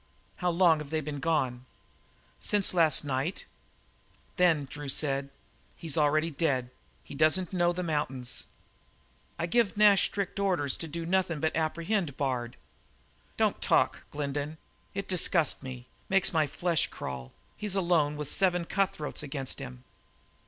"How long have they been gone?" "Since last night." "Then," said Drew, "he's already dead. He doesn't know the mountains." "I give Nash strict orders not to do nothin' but apprehend Bard." "Don't talk, Glendin. It disgusts me makes my flesh crawl. He's alone, with seven cutthroats against him."